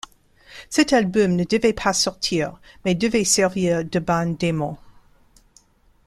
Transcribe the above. Cet album ne devait pas sortir mais devait servir de bande démo.